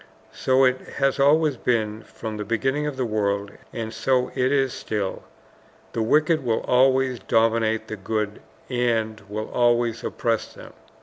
So it has always been from the beginning of the world, and so it is still. THE WICKED WILL ALWAYS DOMINATE THE GOOD, AND WILL ALWAYS OPPRESS THEM.